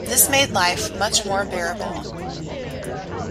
This made life much more bearable.